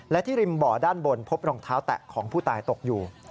และที่ริมบ่อด้านบนพบรองเท้าแตะของผู้ตายตกอยู่